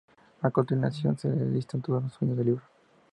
A continuación se listan todos los sueños del libro.